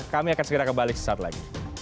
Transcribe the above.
kami akan segera kembali sesaat lagi